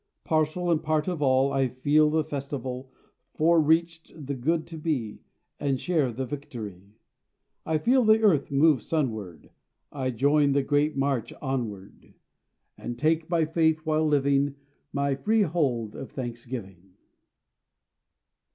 Parcel and part of all, I keep the festival, Fore reach the good to be, And share the victory. I feel the earth move sunward, I join the great march onward, And take, by faith, while living, My freehold of thanksgiving.